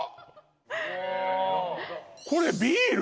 ・おおこれビール？